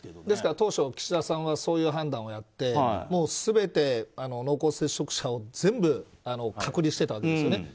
ですから当初、岸田さんはそういう判断をやって全て濃厚接触者を全部、隔離していたんですよね。